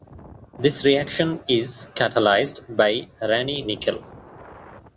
This reaction is catalyzed by Raney nickel.